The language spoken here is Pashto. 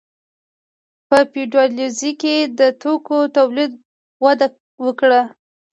په فیوډالیزم کې د توکو تولید وده وکړه.